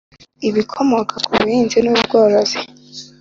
Ibikomoka ku buhinzi n ubworozi